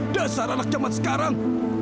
dasar anak jaman sekarang